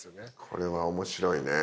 これは面白いね。